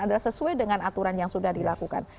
adalah sesuai dengan aturan yang sudah dilakukan